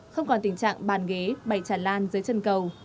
không còn tình trạng bàn ghế bầy tràn lan dưới chân cầu